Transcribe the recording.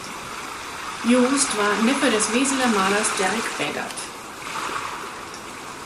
Joest war Neffe des Weseler Malers Derick Baegert.